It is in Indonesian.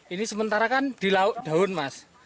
ini sementara kan di lauk daun mas